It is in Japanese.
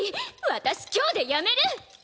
私今日で辞める！